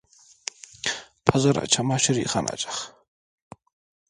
Pazara çamaşır yıkanacak…